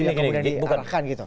yang kemudian diarahkan gitu